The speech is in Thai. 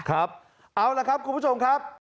เอาละครับคุณผู้ชมครับ